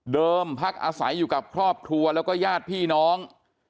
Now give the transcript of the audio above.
พักอาศัยอยู่กับครอบครัวแล้วก็ญาติพี่น้อง